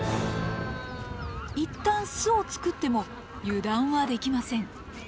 いったん巣を作っても油断はできません。